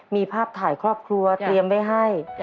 มีภาพถ่ายครอบครัวเตรียมไว้ให้